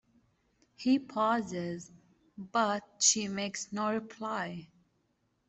He pauses, but she makes no reply.